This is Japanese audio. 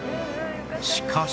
しかし